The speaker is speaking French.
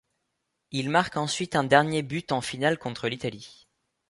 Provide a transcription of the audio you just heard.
Il marque ensuite un dernier but en finale contre l'Italie.